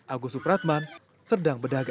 agus supratman serdang bedaga